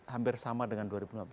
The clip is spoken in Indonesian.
hampir sama dengan dua ribu lima belas